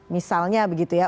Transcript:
misalnya begitu ya